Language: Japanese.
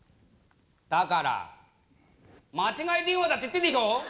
だから間違い電話だって言ってんでしょ！